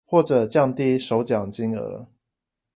或者降低首獎金額